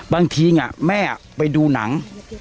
บางทีแม่ไปดูหนัง